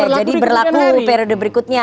jadi berlaku periode berikutnya